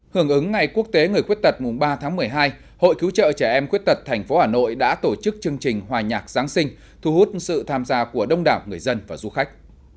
hưởng ứng ngày quốc tế người khuyết tật mùng ba tháng một mươi hai hội cứu trợ trẻ em khuyết tật tp hà nội đã tổ chức chương trình hòa nhạc giáng sinh thu hút sự tham gia của đông đảo người dân và du khách